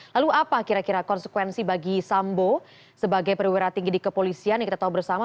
lalu apa kira kira konsekuensi bagi sambo sebagai perwira tinggi di kepolisian yang kita tahu bersama